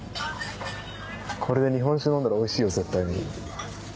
これで日本酒飲んだらおいしいよ絶対に。